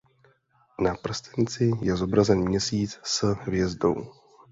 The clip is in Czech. Na prstenci je zobrazen měsíc s hvězdou.